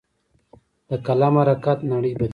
د قلم حرکت نړۍ بدلوي.